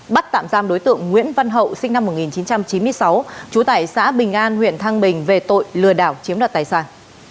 bắt tạm giam đối tượng nguyễn văn hậu sinh năm một nghìn chín trăm chín mươi sáu trú tại xã bình an huyện thăng bình về tội lừa đảo chiếm đoạt tài sản